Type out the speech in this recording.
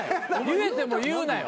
言えても言うなよ。